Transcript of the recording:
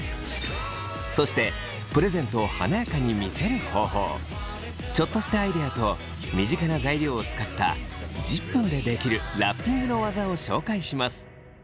そしてプレゼントをちょっとしたアイデアと身近な材料を使った１０分で出来るラッピングの技を紹介します。